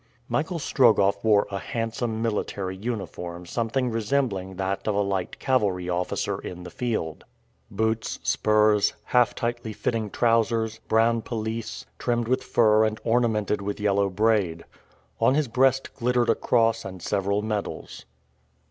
Michael Strogoff wore a handsome military uniform something resembling that of a light cavalry officer in the field boots, spurs, half tightly fitting trousers, brown pelisse, trimmed with fur and ornamented with yellow braid. On his breast glittered a cross and several medals.